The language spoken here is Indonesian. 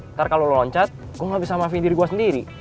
ntar kalau lu loncat gua nggak bisa maafin diri gua sendiri